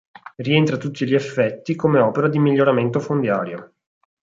Rientra a tutti gli effetti come opera di miglioramento fondiario.